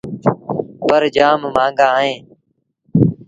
پر جآم مآݩگآ اهيݩ ۔